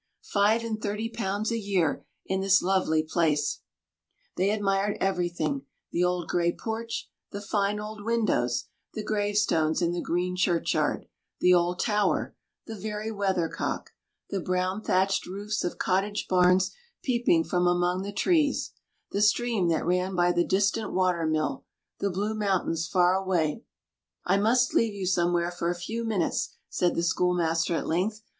Five and thirty pounds a year in this lovely place!" They admired everything—the old gray porch, the fine old windows, the gravestones in the green churchyard, the old tower, the very weather cock, the brown thatched roofs of cottage barns peeping from among the trees, the stream that ran by the distant water mill, the blue mountains far away. "I must leave you somewhere for a few minutes," said the schoolmaster at length.